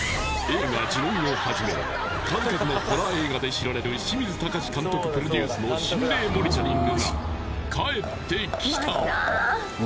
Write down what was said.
映画「呪怨」をはじめ数々のホラー映画で知られる清水崇監督プロデュースの心霊モニタリングが帰ってきた